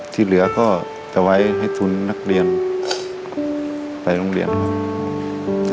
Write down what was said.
ที่เหลือก็จะไว้ให้ทุนนักเรียนไปโรงเรียนครับ